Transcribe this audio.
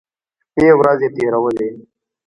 شپې ورځې تېرولې.